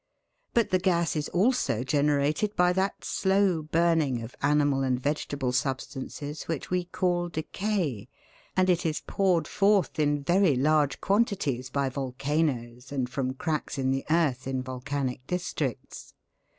But the gas is also generated by that slow burning of animal and vegetable substances which we call decay, and it is poured forth in very large quantities by volcanoes and from cracks in the earth in volcanic districts.